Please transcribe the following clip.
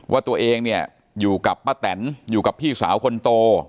ว่าตัวเองเนี่ยอยู่กับป้าแตนอยู่กับพี่สาวคนโต